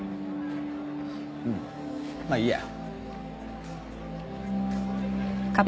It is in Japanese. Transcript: うんまあいいや。